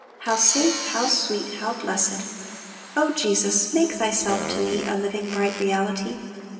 How safe, how sweet, how blessed! "O Jesus, make Thyself to me A living, bright reality!